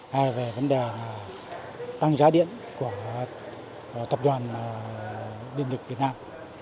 hai là vấn đề tăng giá điện của tập đoàn điện lực việt nam